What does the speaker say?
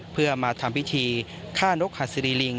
เพื่อมาทำพิธีฆ่านกฮสิริริง